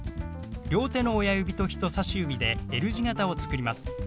両手の親指と人さし指でＬ字型を作ります。